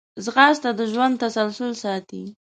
ځغاسته د ژوند تسلسل ساتي